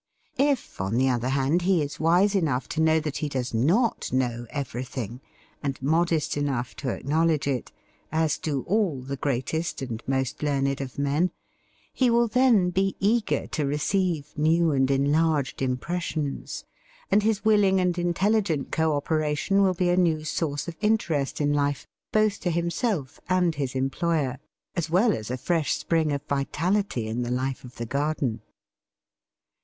If, on the other hand, he is wise enough to know that he does not know everything, and modest enough to acknowledge it, as do all the greatest and most learned of men, he will then be eager to receive new and enlarged impressions, and his willing and intelligent co operation will be a new source of interest in life both to himself and his employer, as well as a fresh spring of vitality in the life of the garden.